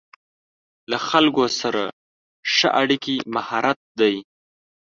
له خلکو سره ښه اړیکې مهارت دی.